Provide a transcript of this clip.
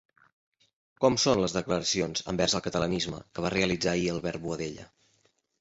Com són les declaracions envers el catalanisme que va realitzar ahir Albert Boadella?